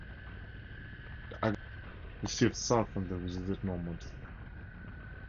The agriculturists received salt from the desert nomads.